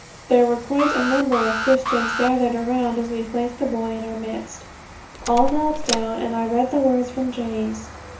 There were quite a number of Christians gathered around as we placed the boy in our midst. All knelt down, and I read the words from James.